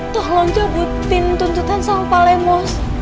tolong cabutin tuntutan sama pak lemos